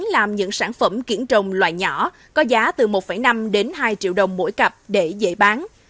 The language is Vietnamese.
là sản phẩm kiển rồng loại nhỏ có giá từ một năm đến hai triệu đồng mỗi cặp để dễ bán